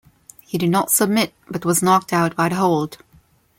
He did not submit, but was knocked-out by the hold.